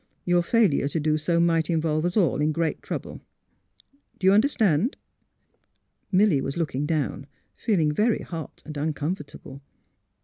Your failure to do so might involve us all in great trouble. Do you understand? " Milly was looking down, feeling very hot and uncomfortable.